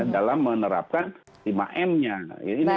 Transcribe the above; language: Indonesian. dalam menerapkan lima m nya